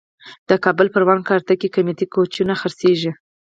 د کابل پروان کارته کې قیمتي کوچونه خرڅېږي.